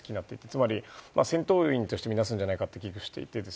つまり、戦闘員としてみなすんじゃないかと危惧していて。